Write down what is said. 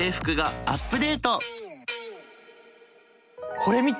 これ見て！